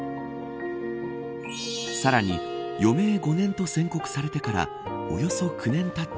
さらに余命５年と宣告されてからおよそ９年たった